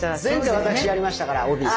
前回私やりましたから帯。